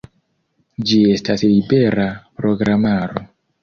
Ĝi estas libera programaro.